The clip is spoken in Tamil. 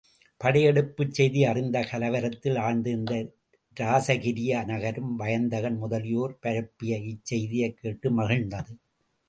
படையெடுப்புச் செய்தி அறிந்து கலவரத்தில் ஆழ்ந்திருந்த இராசகிரிய நகரம், வயந்தகன் முதலியோர் பரப்பிய இச் செய்தியைக் கேட்டு மகிழ்ந்தது.